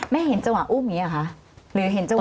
แม่เห็นจังหวะอุ้มอย่างนี้หรือเห็นจังหวะ